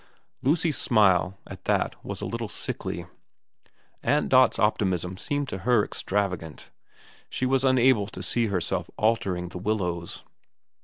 Lucy's smile at that was a little sickly. Aunt Dot's optimism seemed to her extravagant. She was unable to see herself altering The Willows.